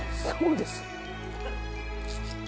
そうです？